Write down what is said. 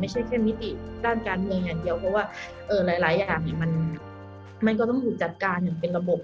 ไม่ใช่แค่มิติด้านการเมืองอย่างเดียวเพราะว่าหลายอย่างมันก็ต้องถูกจัดการอย่างเป็นระบบ